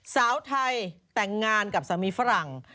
สาวไทยแต่งงานกับสามีฝรั่ง